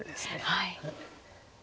はい。